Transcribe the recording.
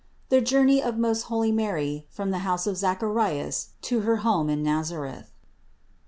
THE JOURNEY OF MOST HOLY MARY FROM THE HOUSE OF ZACHARIAS TO HER HOME IN NAZARETH.